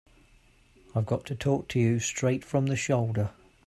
I've got to talk to you straight from the shoulder.